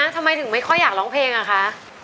ทำไมถึงไม่ค่อยอยากร้องเพลงอะคะ